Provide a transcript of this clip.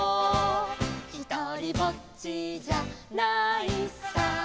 「ひとりぼっちじゃないさ」